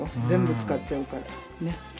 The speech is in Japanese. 全部使っちゃうからねっ。